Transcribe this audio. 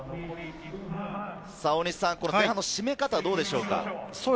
前半の締め方、どうでしょうか？